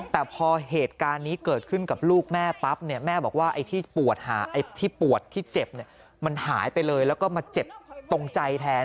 แต่พอเหตุการณ์นี้เกิดขึ้นกับลูกแม่ปั๊บเนี่ยแม่บอกว่าไอ้ที่ปวดที่เจ็บเนี่ยมันหายไปเลยแล้วก็มาเจ็บตรงใจแทน